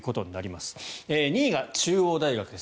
２位が中央大学です。